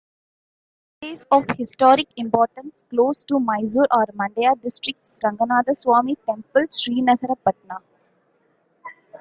Places of historic importance close to Mysore are Mandya District's Ranganathaswamy Temple, Srirangapatna.